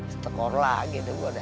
setekor lagi deh gue dah